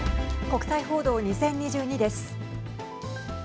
国際報道２０２２です。